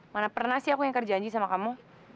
mana pernah sih aku yang kerja janji sama kamu